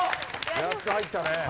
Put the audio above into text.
やっと入ったね。